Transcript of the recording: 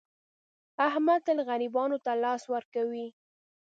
احمد تل غریبانو ته لاس ور کوي.